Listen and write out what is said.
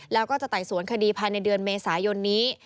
แล้วก็จะไต่สวนคดีภายในเดือนเมษายนนี้